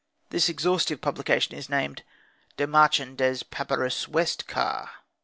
This exhaustive publication is named "Der Marchen des Papyrus Westcar."